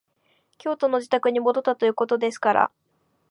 京都の自邸に戻ったということですから、